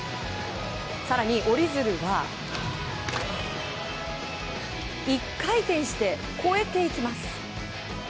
更に折り鶴は１回転して越えていきます。